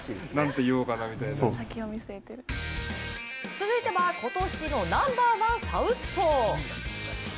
続いては今年のナンバーワンサウスポー。